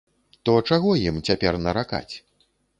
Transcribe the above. То чаго ім цяпер наракаць?